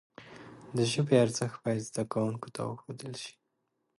د ژبي ارزښت باید زدهکوونکو ته وښودل سي.